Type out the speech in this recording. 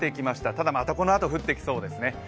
ただまたこのあと降ってきそうですね。